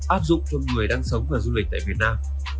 áp dụng cho người đang sống và du lịch tại việt nam